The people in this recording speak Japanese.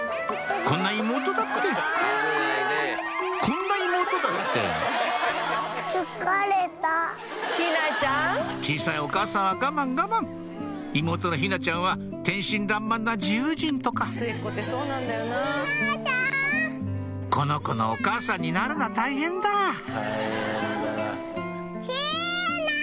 こんな妹だってこんな妹だって陽菜ちゃん？小さいお母さんは我慢我慢妹の陽菜ちゃんは天真爛漫な自由人とかこの子のお母さんになるのは大変だひな！